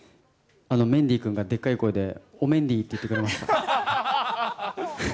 メンディー君がでっかい声で、おめンディーって言ってくれました。